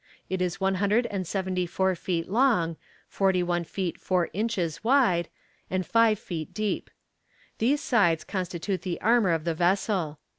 It is one hundred and seventy four feet long, forty one feet four inches wide, and five feet deep. These sides constitute the armor of the vessel.